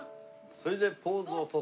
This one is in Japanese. それでポーズをとって。